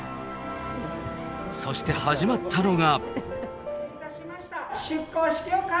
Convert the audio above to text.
そして始まったのが。